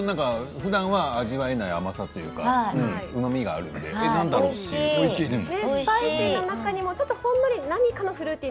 ふだんは味わえない甘さというかうまみがあって、何だろうって。